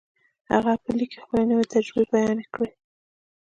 هغه په ليک کې خپلې نوې تجربې بيان کړې.